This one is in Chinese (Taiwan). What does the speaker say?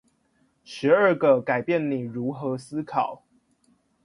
十二個改變你如何思考